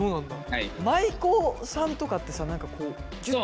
舞妓さんとかって何かこうキュッて。